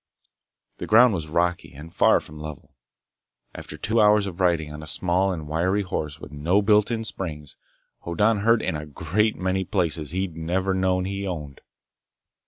The ground was rocky and far from level. After two hours of riding on a small and wiry horse with no built in springs, Hoddan hurt in a great many places he'd never known he owned.